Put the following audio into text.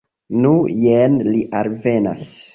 Nu, jen ni alvenas.